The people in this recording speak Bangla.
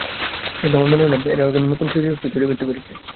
কিন্তু আমার মনে হয় না ওরা এখনো নতুন স্মৃতিশক্তি তৈরি করতে পেরেছে।